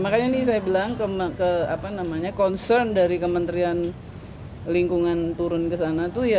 makanya ini saya bilang concern dari kementerian lingkungan turun ke sana itu ya